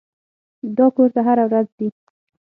دا کور ته هره ورځ ځي.